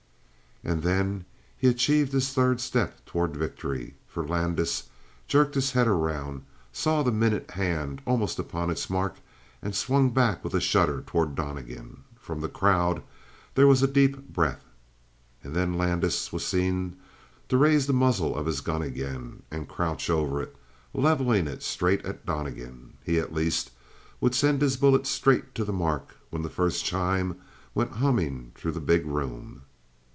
And then he achieved his third step toward victory, for Landis jerked his head around, saw the minute hand almost upon its mark, and swung back with a shudder toward Donnegan. From the crowd there was a deep breath. And then Landis was seen to raise the muzzle of his gun again, and crouch over it, leveling it straight at Donnegan. He, at least, would send his bullet straight to the mark when that first chime went humming through the big room.